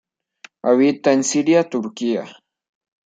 Habita en Siria Turquía.